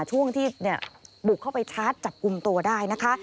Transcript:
ช่วงที่บุกเข้าไปชาร์จจับกลุ่มตัวได้นะคะ